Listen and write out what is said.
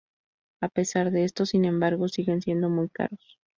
A pesar de esto, sin embargo, siguen siendo muy caros.